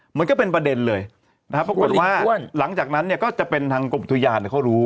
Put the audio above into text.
มันก็เป็นประเด็นเลยนะครับปรากฏว่าหลังจากนั้นเนี่ยก็จะเป็นทางกรมอุทยานเขารู้